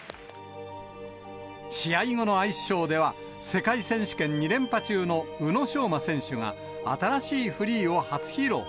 試合後のアイスショーでは、世界選手権２連覇中の宇野昌磨選手が、新しいフリーを初披露。